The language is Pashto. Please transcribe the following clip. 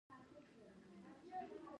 هغه د پېغمبرانو ټاټوبی دی.